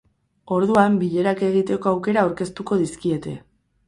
Orduan, bilerak egiteko aukera aurkeztuko dizkiete.